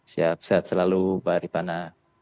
siap sehat selalu pak ripana